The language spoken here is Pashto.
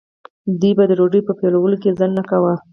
دوی به د ډوډۍ په پیلولو کې ځنډ نه کاوه.